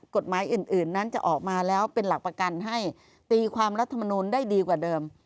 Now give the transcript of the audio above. กฎหมายอื่นนั้นจะออกมาแล้วเป็นหลักประกันให้ตีความรัฐมนูลได้ดีกว่าเดิม